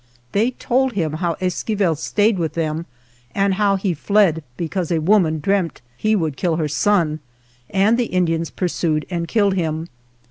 They told him how Esquivel stayed with them and how he fled because a woman dreamt he would kill her son, and the Indians pursued and killed him.